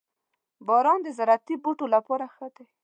• باران د زراعتي بوټو لپاره ښه دی.